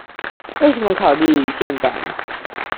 為什麼考慮離線版？